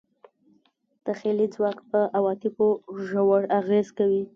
تخیلي ځواک په عواطفو ژور اغېز کوي.